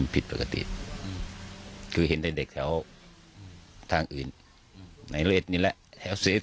ผิดปกติคือเห็นได้เด็กแถวทางอื่นไหนเล่นนี่แหละแถวเสร็จ